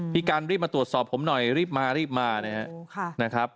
พี่กันรีบมาตรวจสอบผมหน่อยรีบมารีบมานะครับ